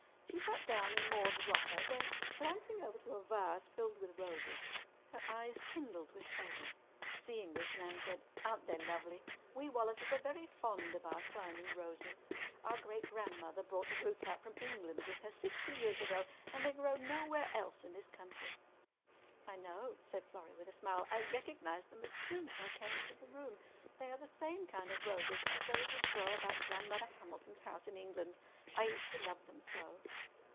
She sat down in Maude's rocker, then, glancing over to a vase filled with roses, her eyes kindled with pleasure. Seeing this, Nan said, "Aren't they lovely? We Wallaces are very fond of our climbing roses. Our great grandmother brought the roots out from England with her sixty years ago, and they grow nowhere else in this country." "I know," said Florrie, with a smile. "I recognized them as soon as I came into the room. They are the same kind of roses as those which grow about Grandmother Hamilton's house in England. I used to love them so."